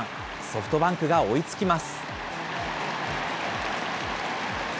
ソフトバンクが追いつきます。